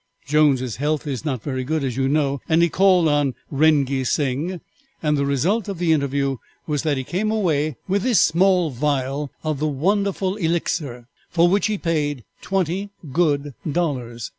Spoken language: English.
Jones' health is not very good, as you know, and he called on Rengee Sing, and the result of the interview was that he came away with this small vial of the wonderful Elixir, for which he paid twenty good dollars.